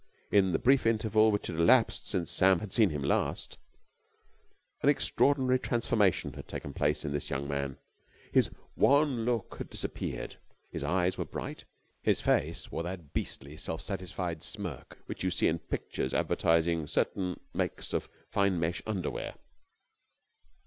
In the brief interval which had elapsed since Sam had seen him last, an extraordinary transformation had taken place in this young man. His wan look had disappeared. His eyes were bright. His face wore that beastly self satisfied smirk which you see in pictures advertising certain makes of fine mesh underwear.